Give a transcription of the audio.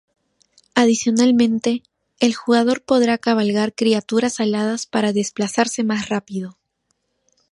Adicionalmente, el jugador podrá cabalgar criaturas aladas para desplazarse más rápido.